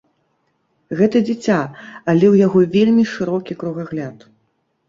Гэта дзіця, але ў яго вельмі шырокі кругагляд!